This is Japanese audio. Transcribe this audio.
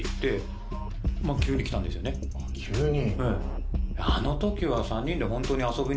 急に？